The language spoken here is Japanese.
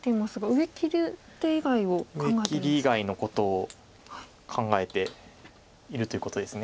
上切り以外のことを考えているということです。